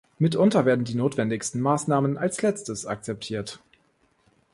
Mitunter werden die notwendigsten Maßnahmen als Letztes akzeptiert.